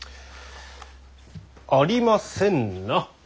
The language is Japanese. ありませんな。